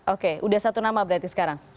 oke sudah satu nama berarti sekarang